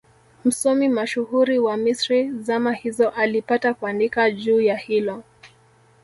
Msomi mashuhuri wa Misri zama hizo alipata kuandika juu ya hilo